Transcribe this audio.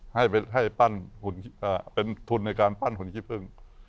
ให้ปั้นหุ่นเป็นทุนในการปั้นหุ่นขี้พึ่ง